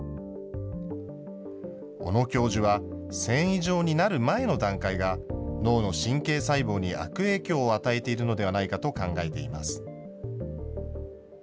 小野教授は繊維状になる前の段階が、脳の神経細胞に悪影響を与えているのではないかと考えています。